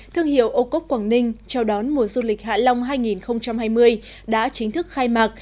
thương hiệu ô cốp quảng ninh trao đón mùa du lịch hạ long hai nghìn hai mươi đã chính thức khai mạc